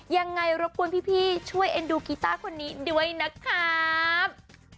ยังไงรบกวนพี่ช่วยเอ็นดูกีต้าคนนี้ด้วยนะครับ